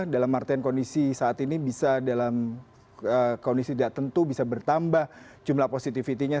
dalam artian kondisi saat ini bisa dalam kondisi tidak tentu bisa bertambah jumlah positivity nya